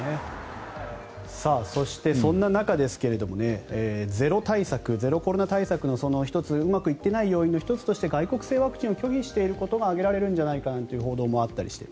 そして、そんな中ゼロコロナ対策の１つうまくいっていない要因として外国製ワクチンを拒否していることが挙げられるんじゃないかということもあったりして。